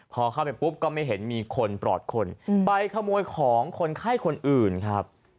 พอเข้าไปปุ๊บก็ไม่เห็นมีคนปลอดคนไปขโมยของคนไข้คนอื่นครับ